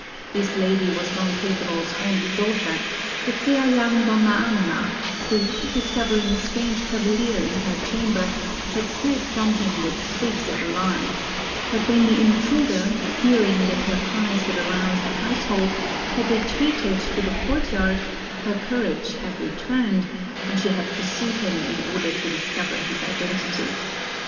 This lady was Don Pedro's only daughter, the fair young Donna Anna, who, discovering a strange cavalier in her chamber, had fled from him with shrieks of alarm; but when the intruder, fearing that her cries would arouse the household, had retreated to the courtyard, her courage had returned, and she had pursued him in order to discover his identity.